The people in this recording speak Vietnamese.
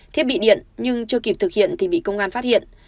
thiết bị điện nhưng chưa kịp thực hiện thì bị công an phát hiện